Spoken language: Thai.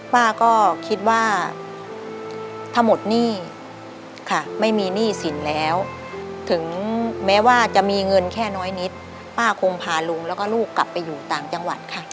ป้าก็คิดว่าถ้าหมดหนี้ค่ะไม่มีหนี้สินแล้วถึงแม้ว่าจะมีเงินแค่น้อยนิดป้าคงพาลุงแล้วก็ลูกกลับไปอยู่ต่างจังหวัดค่ะ